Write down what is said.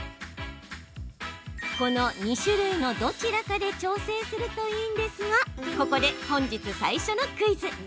この２種類のどちらかで調整するといいんですがここで本日、最初のクイズ！